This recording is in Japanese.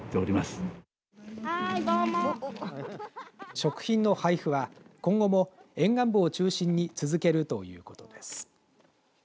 食品の配布は今後も沿岸部を中心に続けるということです。